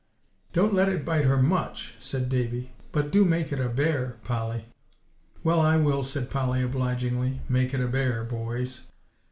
"Don't let it bite her much," said Davie. "But do make it a bear, Polly!" "Well, I will," said Polly obligingly, "make it a bear, boys."